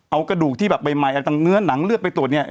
เอากระดูกที่แบบใหม่เอาจังเนื้อหนังเลือดไปตรวจเนี่ย